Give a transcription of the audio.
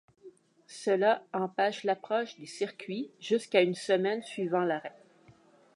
Cela empêche l'approche des circuits jusqu'à une semaine suivant l'arrêt.